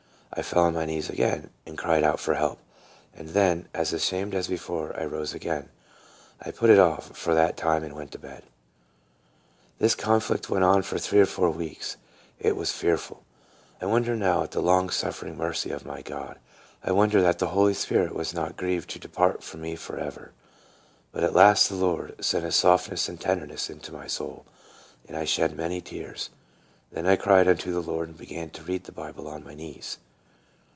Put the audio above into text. I fell on my knees again, and cried out for help, and then, as ashamed as before, I rose again. I put it off for that time and went to bed. This conflict went on for three or four weeks. It was fearful. I wonder now at the long suffering mercy of my God. I wonder that the Holy Spirit was not grieved to de part from me for ever. But at last the Lord sent a softness and tenderness into my soul, and I shed many tears. Then I cried unto the Lord, and began to read the Bible on my knees.